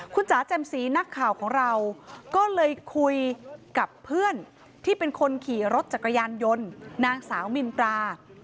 คุณจ๋าแจ่มสีนักข่าวของเราก็เลยคุยกับเพื่อนที่เป็นคนขี่รถจักรยานยนต์นางสาวมินตรา